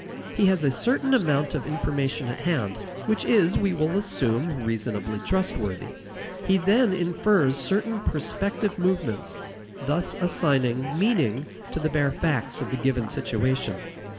He has a certain amount of information at hand which is, we will assume, reasonably trustworthy. He then infers certain prospective movements, thus assigning meaning to the bare facts of the given situation.